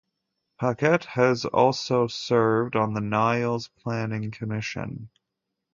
Paquette has also served on the Niles Planning Commission.